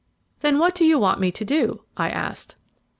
"Then what do you want me to do?" I asked.